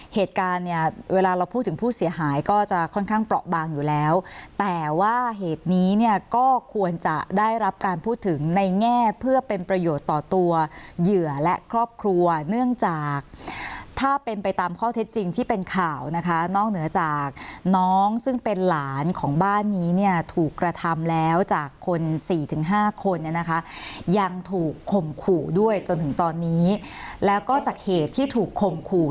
เหตุการณ์เนี่ยเวลาเราพูดถึงผู้เสียหายก็จะค่อนข้างเปราะบางอยู่แล้วแต่ว่าเหตุนี้เนี่ยก็ควรจะได้รับการพูดถึงในแง่เพื่อเป็นประโยชน์ต่อตัวเหยื่อและครอบครัวเนื่องจากถ้าเป็นไปตามข้อเท็จจริงที่เป็นข่าวนะคะนอกเหนือจากน้องซึ่งเป็นหลานของบ้านนี้เนี่ยถูกกระทำแล้วจากคนสี่ถึงห้าคนเนี่ยนะคะยังถูกข่มขู่ด้วยจนถึงตอนนี้แล้วก็จากเหตุที่ถูกข่มขู่